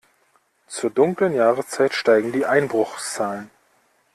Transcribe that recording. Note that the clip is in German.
Zur dunklen Jahreszeit steigen die Einbruchszahlen.